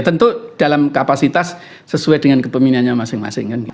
tentu dalam kapasitas sesuai dengan kepemimpinannya masing masing